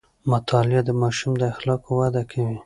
مطالعه د ماشوم د اخلاقو وده کوي.